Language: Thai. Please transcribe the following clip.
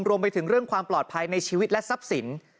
รวมไปถึงเรื่องความปลอดภัยในชีวิตและทรัพย์สิน